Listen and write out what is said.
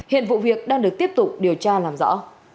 hiện vụ việc đang được tiếp tục điều tra làm rõ